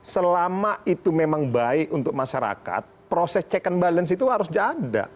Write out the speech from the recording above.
selama itu memang baik untuk masyarakat proses check and balance itu harus ada